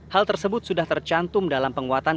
hal tersebut sudah tercantum dalam penguatan